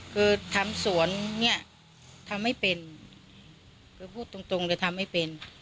คือทำสวนเนี่ยทำไม่เป็นคือพูดตรงตรงเลยทำไม่เป็น